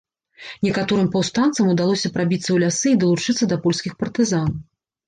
Некаторым паўстанцам удалося прабіцца ў лясы і далучыцца да польскіх партызан.